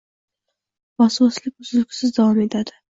Vosvoslik uzluksiz davom etadi.